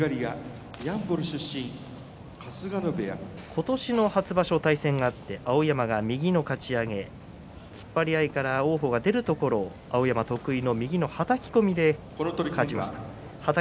今年の初場所、対戦があって碧山が右のかち上げ突っ張り合いから、王鵬が出るところ、碧山を得意のはたき込みで勝ちました。